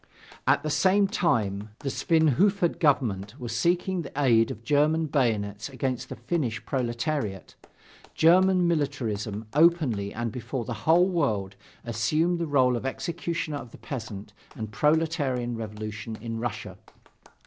At the same time, the Svinhufvud government was seeking the aid of German bayonets against the Finnish proletariat. German militarism, openly and before the whole world, assumed the role of executioner of the peasant and proletarian revolution in Russia.